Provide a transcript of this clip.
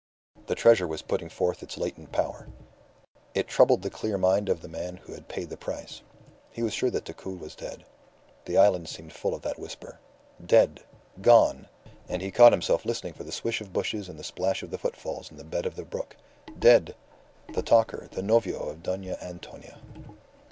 The treasure was putting forth its latent power. It troubled the clear mind of the man who had paid the price. He was sure that Decoud was dead. The island seemed full of that whisper. Dead! Gone! And he caught himself listening for the swish of bushes and the splash of the footfalls in the bed of the brook. Dead! The talker, the novio of Dona Antonia!